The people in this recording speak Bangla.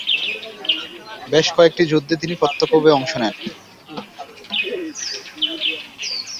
বেশ কয়েকটি যুদ্ধে তিনি প্রত্যক্ষভাবে অংশ নেন।